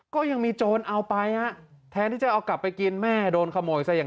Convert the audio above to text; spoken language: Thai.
ก็ยังมีโจรเอาไปฮะแทนที่จะเอากลับไปกินแม่โดนขโมยซะอย่าง